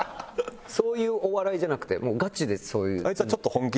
そういうお笑いじゃなくてガチでそういう。